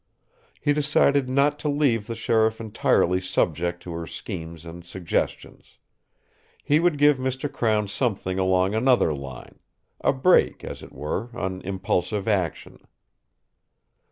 He decided not to leave the sheriff entirely subject to her schemes and suggestions. He would give Mr. Crown something along another line a brake, as it were, on impulsive action.